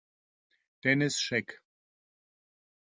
Dennis Scheck